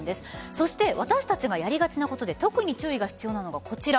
そして私たちがやりがちなことで特に注意が必要なのがこちら。